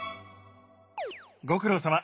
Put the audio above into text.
ご苦労さま。